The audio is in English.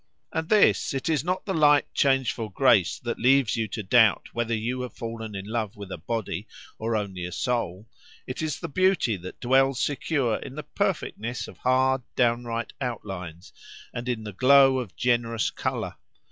And this, it is not the light, changeful grace that leaves you to doubt whether you have fallen in love with a body, or only a soul; it is the beauty that dwells secure in the perfectness of hard, downright outlines, and in the glow of generous colour.